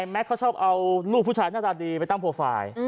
เขาชอบเอาลูกผู้ชายหน้าตาดีไปตั้งโปรไฟล์